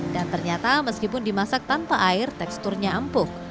dan ternyata meskipun dimasak tanpa air teksturnya empuk